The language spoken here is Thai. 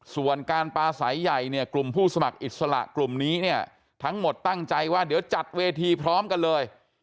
ส่วนการปลาใสใหญ่เนี่ยกลุ่มผู้สมัครอิสระกลุ่มนี้เนี่ยทั้งหมดตั้งใจว่าเดี๋ยวจัดเวทีพร้อมกันเลย